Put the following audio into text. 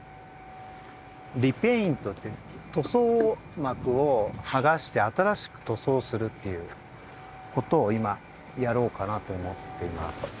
「リペイント」って塗装膜をはがして新しく塗装するっていうことを今やろうかなと思っています。